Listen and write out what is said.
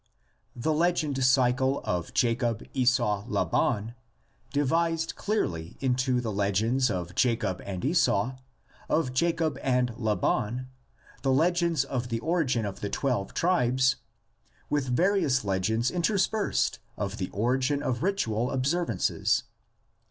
The legend cycle of Jacob Esau Laban divised clearly into the legends of Jacob and Esau, of Jacob and Laban, the legends of the origin of the twelve tribes, with various legends interspersed of the origin of ritual observances.